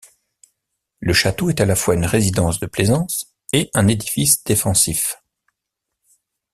Le château est à la fois une résidence de plaisance et un édifice défensif.